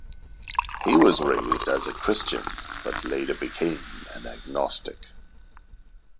He was raised as a Christian but later became an agnostic.